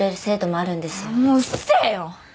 ああもううっせえよ！